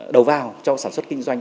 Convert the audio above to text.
đầu vào cho sản xuất kinh doanh